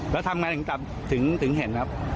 แล้วทำไงถึงเห็นครับ